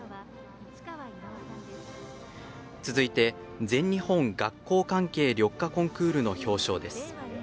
続いて「全日本学校関係緑化コンクール」の表彰です。